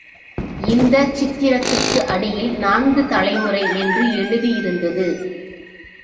இந்தச் சித்திரத்துக்கு அடியில் நான்கு தலைமுறை என்று எழுதியிருந்தது.